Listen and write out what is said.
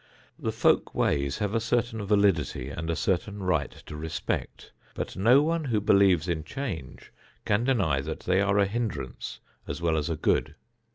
The folk ways have a certain validity and a certain right to respect, but no one who believes in change can deny that they are a hindrance as well as a good.